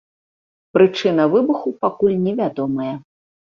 Прычына выбуху пакуль невядомая.